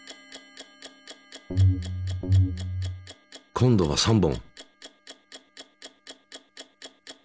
今度は３本。